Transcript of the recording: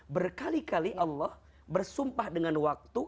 berkali kali allah bersumpah dengan waktu